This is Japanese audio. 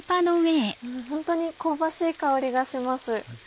ホントに香ばしい香りがします。